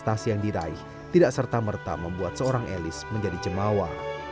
prestasi yang diraih tidak serta merta membuat seorang elis menjadi jemawa